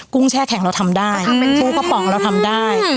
ุ้งแช่แข็งเราทำได้กุ้งกระป๋องเราทำได้